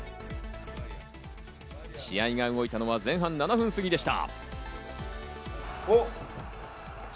試合が動いたのは前半７分過ぎでした。